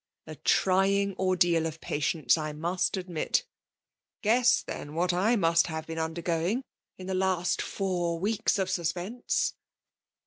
'' A trying ordeal of patienee, I must admit. Oaes8» theii> what I must have been under going, in the last four weeks of suspense